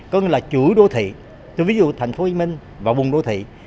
có nghĩa là chủ đô thị ví dụ thành phố hồ chí minh và vùng đô thị